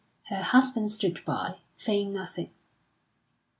Her husband stood by, saying nothing.